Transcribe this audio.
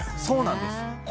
そうなんですね。